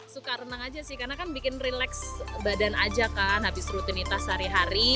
suka renang aja sih karena kan bikin relax badan aja kan habis rutinitas sehari hari